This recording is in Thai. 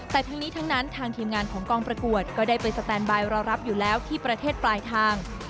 แต่ทั้งนี้ทั้งนั้นทางทีมงานของกองประกวดก็ได้ไปสแตนบายรอรับอยู่แล้วที่ประเทศปลายทาง